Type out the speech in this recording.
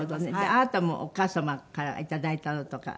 あなたもお母様から頂いたのとか